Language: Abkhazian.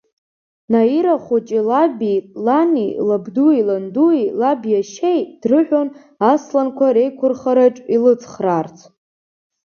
Наира хәыҷы лаби, лани, лабдуи, ландуи, лабиашьеи дрыҳәон асланқәа реиқәырхараҿ илыцхраарц.